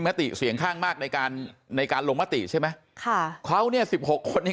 มติเสียงข้างมากในการในการลงมติใช่ไหมค่ะเขาเนี่ยสิบหกคนนี้